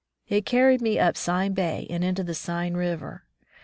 It carried me up Seine Bay and into the Seine River.